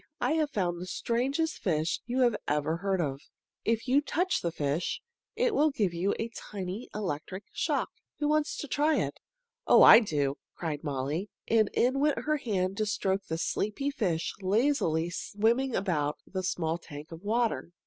I have found the strangest fish you ever heard of. If you touch the fish, it will give you a tiny electric shock. Who wants to try it?" "Oh, I do!" cried Molly, and in went her hand to stroke the sleepy fish lazily swimming about in a small tank of water.